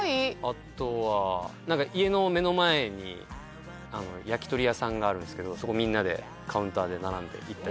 あとは家の目の前に焼き鳥屋さんがあるんですけどそこみんなでカウンターで並んで行ったり。